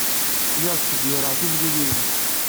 Lliɣ ttseggireɣ timliliyin.